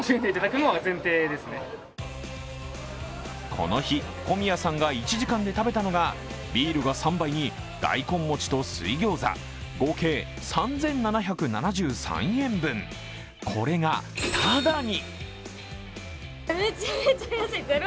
この日、小宮さんが１時間で食べたのがビールが３杯に大根餅と水ギョーザ、合計３７７３円分、これがただに。